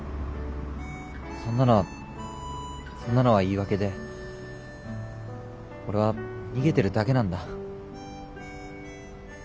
そんなのはそんなのは言い訳で俺は逃げてるだけなんだ。